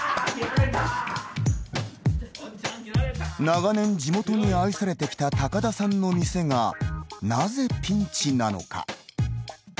長年地元に愛されてきた高田さんの店がなぜピンチなのか。